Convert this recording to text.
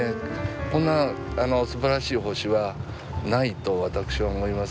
こんなすばらしい星はないと私は思います。